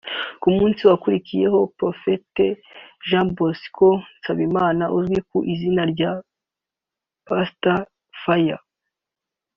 ku munsi wakurikiyeho Prophete Jean Bosco Nsabimana uzwi ku izina rya Pastor Fire